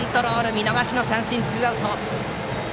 見逃しの三振でツーアウト！